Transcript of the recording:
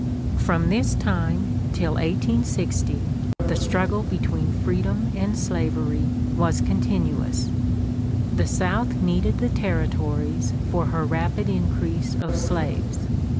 From this time till 1860 the struggle between freedom and slavery was continuous. The South needed the Territories for her rapid increase of slaves.